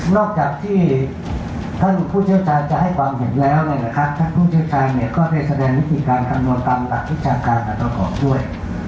อกจากที่ท่านผู้เชี่ยวชาญจะให้ความเห็นแล้วท่านผู้เชี่ยวชาญก็ได้แสดงวิธีการคำนวณตามหลักวิชาการการประกอบด้วย